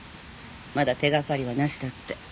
まだ手掛かりはなしだって。